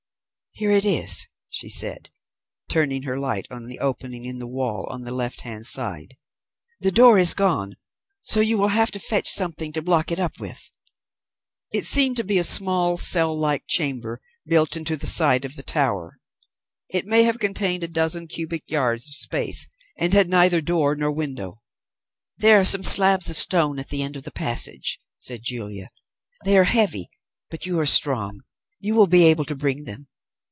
"Here it is," she said, turning her light on to the opening in the wall on the left hand side. "The door is gone, so you will have to fetch something to block it up with." It seemed to be a small, cell like chamber, built into the side of the tower. It may have contained a dozen cubic yards of space, and had neither door nor window. "There are some slabs of stone at the end of the passage," said Julia. "They are heavy, but you are strong, you will be able to bring them.